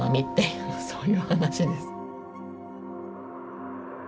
いうそういう話です。